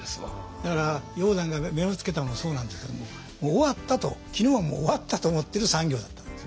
だから鷹山が目をつけたのもそうなんですけどももう終わったと絹はもう終わったと思っている産業だったんです。